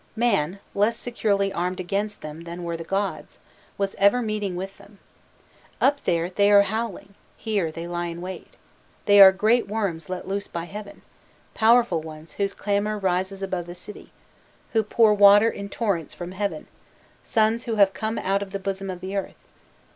Man, less securely armed against them than were the gods, was ever meeting with them. "Up there, they are howling, here they lie in wait, they are great worms let loose by heaven powerful ones whose clamour rises above the city who pour water in torrents from heaven, sons who have come out of the bosom of the earth.